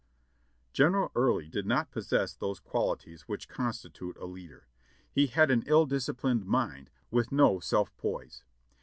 General Early did not possess those qualities which constitute a leader. He had an ill disciplined mind, with no self poise.